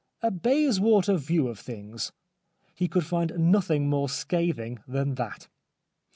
" A Bayswater view of things "— he could find nothing more scathing than that.